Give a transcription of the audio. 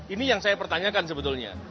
ini yang saya pertanyakan sebetulnya